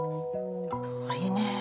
鳥ね。